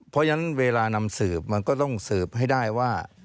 เพราะฉะนั้นเวลานำสืบมันก็ต้องสืบให้ได้ว่า